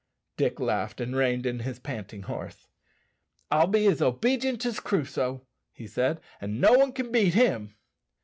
Dick laughed, and reined in his panting horse. "I'll be as obedient as Crusoe," he said, "and no one can beat him."